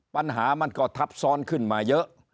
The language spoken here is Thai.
ปัญหามันก็ทับซ้อนขึ้นมาเยอะ